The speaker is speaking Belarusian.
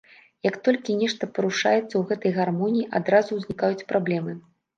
Як толькі нешта парушаецца ў гэтай гармоніі, адразу ўзнікаюць праблемы.